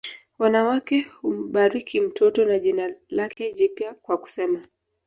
Wanawake humbariki mtoto na jina lake jipya kwa kusema